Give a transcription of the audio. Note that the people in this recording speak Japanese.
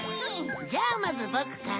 じゃあまずボクから。